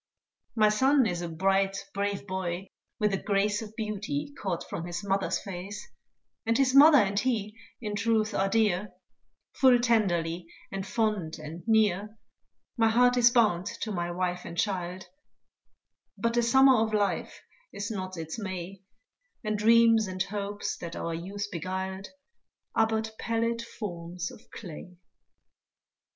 My son is a bright, brave boy, with a grace Of beauty caught from his mother's face, And his mother and he in truth are dear, Full tenderly, and fond, and near My heart is bound to my wife and child; But the summer of life is not its May, And dreams and hopes that our youth beguiled, Are but pallid forms of clay.